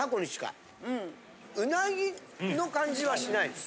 ウナギの感じはしないです。